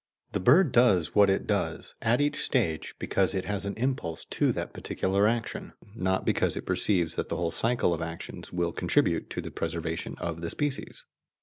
The bird does what it does, at each stage, because it has an impulse to that particular action, not because it perceives that the whole cycle of actions will contribute to the preservation of the species.